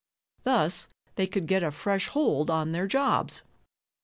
Thus they could get a fresh hold on their jobs.